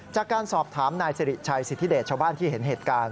จากการสอบถามนายสิริชัยสิทธิเดชชาวบ้านที่เห็นเหตุการณ์